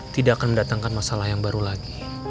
tidak akan mendatangkan masalah yang baru lagi